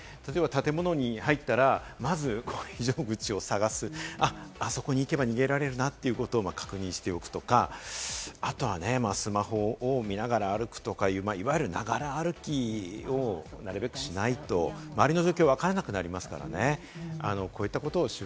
その上で日頃から気を付けることとしてはですね、例えば建物に入ったらまず非常口を探す、あそこに行けば逃げられるなということを確認しておくとか、あとはね、スマホを見ながら歩くとかいういわゆる、ながら歩きをなるべくしない、周りの状況がわからなくなりますからね。